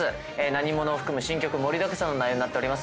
『なにもの』を含む新曲盛りだくさんの内容になってます。